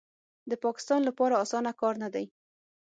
د پاکستان لپاره اسانه کار نه دی